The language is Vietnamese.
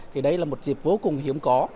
thì đây là một dịp vô cùng hiếm có